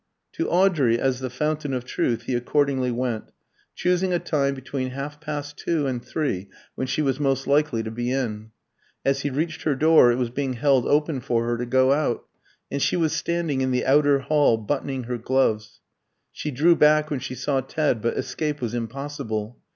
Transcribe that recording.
To Audrey, as the fountain of truth, he accordingly went, choosing a time between half past two and three when she was most likely to be in. As he reached her door, it was being held open for her to go out, and she was standing in the outer hall buttoning her gloves. She drew back when she saw Ted, but escape was impossible.